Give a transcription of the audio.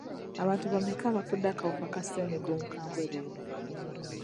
Abantu bameka abafudde akawuka ka ssenyiga omukambwe leero?